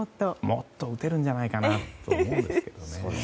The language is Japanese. もっと打てるんじゃないかなと思うんですけどね。